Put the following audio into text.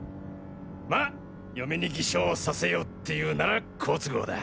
ま嫁に偽証をさせようっていうなら好都合だ。